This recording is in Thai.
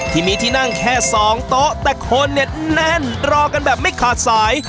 ที่มีที่นั่งแค่สองโต๊ะแต่คนเนี่ยแน่นรอกันแบบไม่ขาดสาย